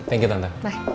thank you tante